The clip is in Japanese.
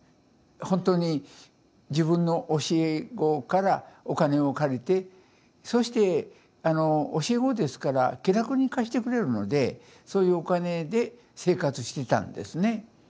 本当に自分の教え子からお金を借りてそしてあの教え子ですから気楽に貸してくれるのでそういうお金で生活してたんですね。